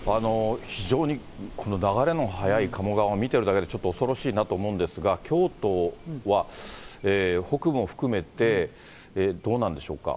非常にこの流れの速い鴨川を見てるだけで、ちょっと恐ろしいなと思うんですが、京都は北部も含めてどうなんでしょうか。